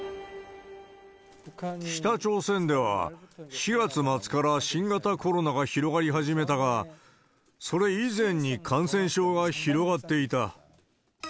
北朝鮮では、４月末から新型コロナが広がり始めたが、それ以前に感染症が広がっていた。